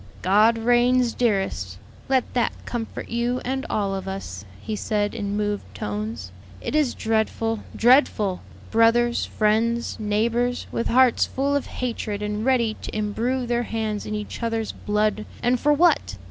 "God reigns, dearest; let that comfort you and all of us," he said, in moved tones. "It is dreadful, dreadful! Brothers, friends, neighbors, with hearts full of hatred and ready to imbrue their hands in each other's blood and for what?